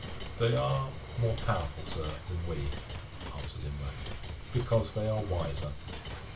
'They are more powerful, Sir, than we, (answered Imlac,) because they are wiser.